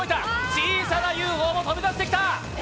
小さなＵＦＯも飛び出してきた。